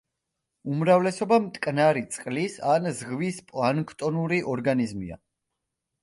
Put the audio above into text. უმრავლესობა მტკნარი წყლის ან ზღვის პლანქტონური ორგანიზმია.